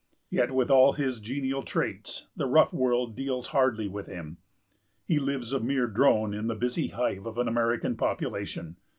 Yet, with all his genial traits, the rough world deals hardly with him. He lives a mere drone in the busy hive of an American population.